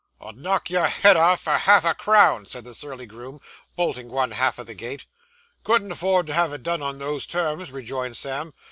'I'd knock your head off for half a crown,' said the surly groom, bolting one half of the gate. 'Couldn't afford to have it done on those terms,' rejoined Sam.